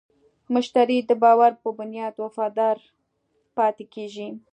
مشتری د باور په بنیاد وفادار پاتې کېږي.